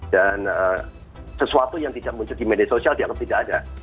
dan sesuatu yang tidak muncul di media sosial dianggap tidak ada